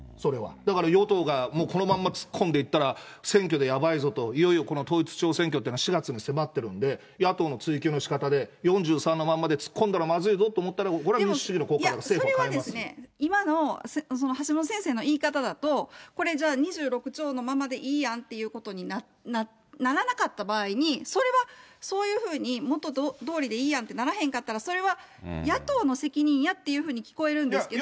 だから与党がこのまんま突っ込んでいったら、選挙でやばいぞと、いよいよ統一地方選挙っていうのは４月に迫ってるんで、野党の追及のしかたで４３のまんまで突っ込んだらまずいぞと思ったら、民主主義の国家だから、政府は変えますよ、それは今の、橋下先生の言い方だと、これ２６兆のままでいいやんっていうことにならなかった場合に、それは、そういうふうに元どおりでいいやんってならなかったら、それは野党の責任やっていうふうに聞こえるんですけど。